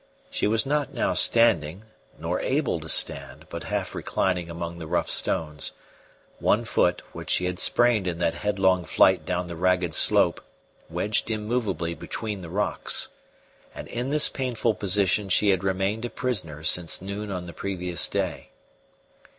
She was not now standing nor able to stand, but half reclining among the rough stones, one foot, which she had sprained in that headlong flight down the ragged slope, wedged immovably between the rocks; and in this painful position she had remained a prisoner since noon on the previous day.